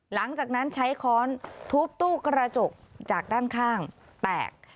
หลังจากนั้นใช้ค้อนทุบตู้กระจกจากด้านข้างแตก